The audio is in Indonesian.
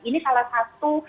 ini salah satu